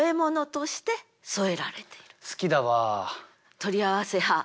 取り合わせ派。